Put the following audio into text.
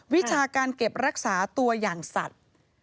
วิชาการเก็บรักษาตัวอย่างสัตว์